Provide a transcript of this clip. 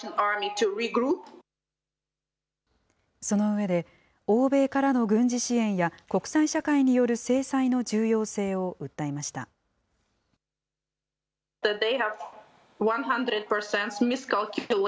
その上で、欧米からの軍事支援や、国際社会による制裁の重要性を訴えました。